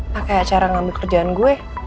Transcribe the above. pakai acara ngambil kerjaan gue